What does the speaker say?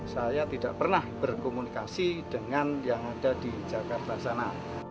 saya tidak pernah berkomunikasi dengan yang ada di jakarta sana